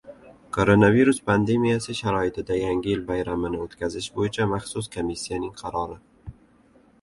Koronavirus pandemiyasi sharoitida Yangi yil bayramini o‘tkazish bo‘yicha maxsus komissiyaning qarori